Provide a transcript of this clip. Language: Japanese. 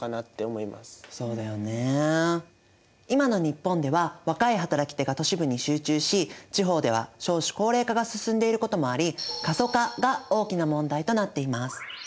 いまの日本では若い働き手が都市部に集中し地方では少子高齢化が進んでいることもあり過疎化が大きな問題となっています。